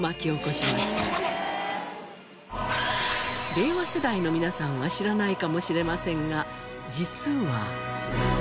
令和世代の皆さんは知らないかもしれませんが実は。